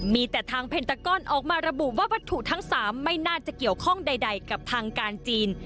มีแต่ทางเพนตกรออกมาระบุว่าวัตถุทั้ง๓ไม่น่าจะเกี่ยวข้องใดกับทางการจีน